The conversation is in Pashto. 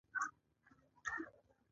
آیا د هفت سین دسترخان مشهور نه دی؟